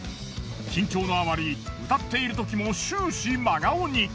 緊張のあまり歌っているときも終始真顔に。